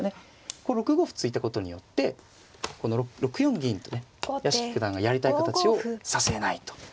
ここ６五歩突いたことによってこの６四銀とね屋敷九段がやりたい形をさせないと。